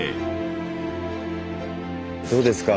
どうですか？